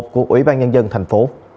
của ủy ban nhân dân tp